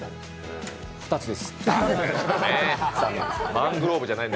２つです。